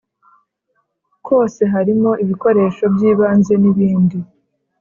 kose harimo ibikoresho by ibanze n ibindi